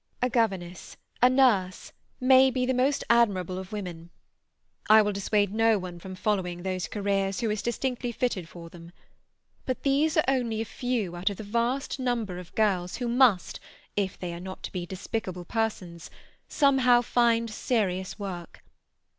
A governess, a nurse, may be the most admirable of women. I will dissuade no one from following those careers who is distinctly fitted for them. But these are only a few out of the vast number of girls who must, if they are not to be despicable persons, somehow find serious work.